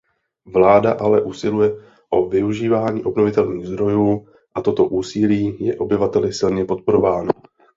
Vláda ale usiluje o využívání obnovitelných zdrojů a toto úsilí je obyvateli silně podporováno.